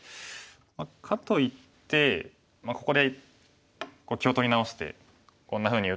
かといってここで気を取り直してこんなふうに打っても。